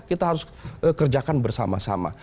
kita harus kerjakan bersama sama